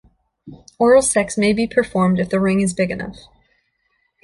Oral sex may be performed if the ring is big enough.